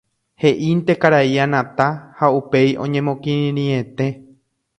he'ínte karai Anata ha upéi oñemokirirĩete.